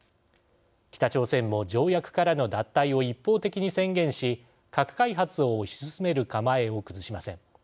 北朝鮮も条約からの脱退を一方的に宣言し核開発を推し進める構えを崩しません。